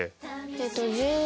えっと。